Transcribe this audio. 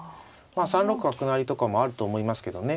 ３六角成とかもあると思いますけどね。